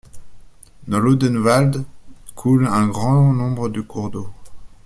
Dans l'Odenwald, coule un grand nombre de cours d'eau.